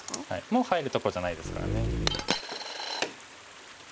もう入るところじゃないですからね。